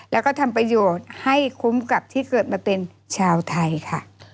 แล้วก็ทำประโยชน์ให้คุ้มกับที่เกิดมาเป็นชาวไทยค่ะ